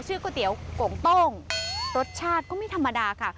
ก๋วยเตี๋ยวโกงโต้งรสชาติก็ไม่ธรรมดาค่ะ